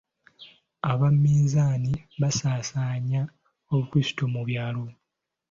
Abaminsani baasaasaanya obukrisitu mu byalo.